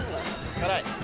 辛い？